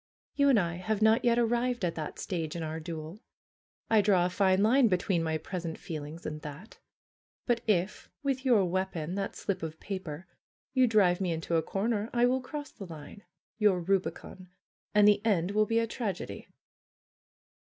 "You and I have not yet arrived at that stage in our duel. I draw a fine line between my pres ent feelings and that. But if, with your weapon, that slip of paper, you drive me into a corner, I will cross the line, your rubicon, and the end will be a tragedy."